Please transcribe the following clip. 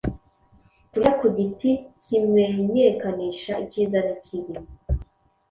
Kurya ku giti kimenyekanisha icyiza n’ikibi